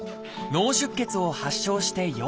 脳出血を発症して４か月。